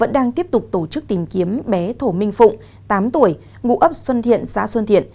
vẫn đang tiếp tục tổ chức tìm kiếm bé thổ minh phụng tám tuổi ngụ ấp xuân thiện xã xuân thiện